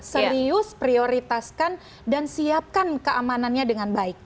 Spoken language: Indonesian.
serius prioritaskan dan siapkan keamanannya dengan baik